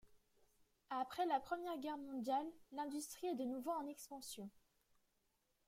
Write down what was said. Après la Première Guerre mondiale l’industrie est de nouveau en expansion.